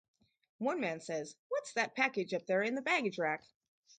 One man says, What's that package up there in the baggage rack?